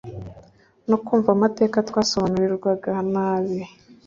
no kumva amateka twasobanurirwaga nabi